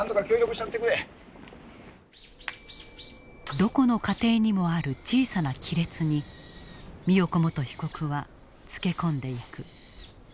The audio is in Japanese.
どこの家庭にもある小さな亀裂に美代子元被告はつけ込んでいく。